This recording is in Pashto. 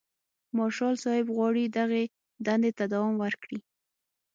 مارشال صاحب غواړي دغې دندې ته دوام ورکړي.